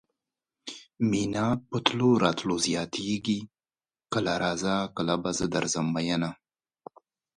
مينه په تلو راتلو زياتيږي کله راځه کله به زه درځم مينه